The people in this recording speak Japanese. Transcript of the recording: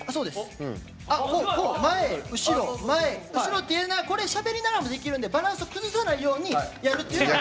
前、後ろ、前、後ろってこれ、しゃべりながらもできるんでバランスを崩さないようにやるっていうのが。